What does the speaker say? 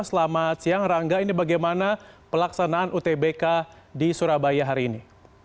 selamat siang rangga ini bagaimana pelaksanaan utbk di surabaya hari ini